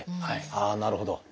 ああなるほど。